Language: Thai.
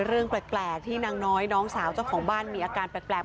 เรื่องแปลกที่นางน้อยน้องสาวเจ้าของบ้านมีอาการแปลก